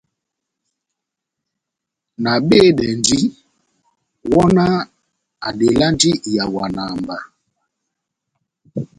Nabehedɛndi, wɔhɔnáh adelandi ihawana mba.